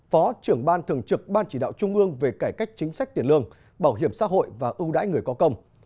phó trưởng ban thường trực ban chỉ đạo trung ương về cải cách chính sách tiền lương bảo hiểm xã hội và ưu đãi người có công